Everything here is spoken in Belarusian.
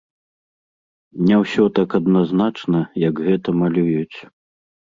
Не ўсё так адназначна, як гэта малююць.